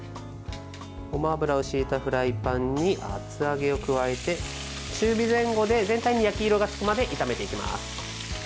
ごま油をひいたフライパンに厚揚げを加えて中火前後で、全体に焼き色がつくまで炒めていきます。